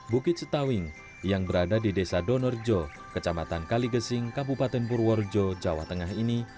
bukit setawing yang berada di desa donorjo kecamatan kaligesing kabupaten purworejo jawa tengah ini